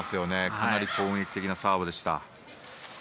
かなり攻撃的なサーブでした。